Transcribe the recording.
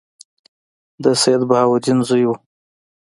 د سیدبهاءالدین زوی وو.